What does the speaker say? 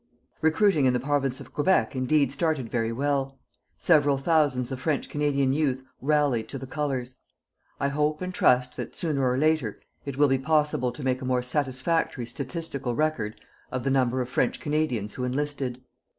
Recruiting in the Province of Quebec indeed started very well. Several thousands of French Canadian youth rallied to the colors. I hope and trust that, sooner or later, it will be possible to make a more satisfactory statistical record of the number of French Canadians who enlisted.